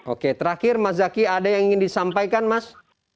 oke terakhir mas zaky ada yang ingin disampaikan mas